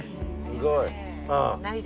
すごい。